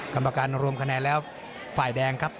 กรรมการรวมคะแนนแล้วฝ่ายแดงครับ